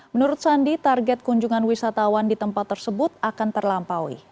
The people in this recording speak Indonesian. menurut sandi target kunjungan wisatawan di tempat tersebut akan terlampaui